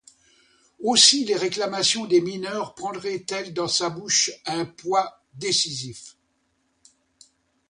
Aussi les réclamations des mineurs prendraient-elles, dans sa bouche, un poids décisif.